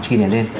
chi này lên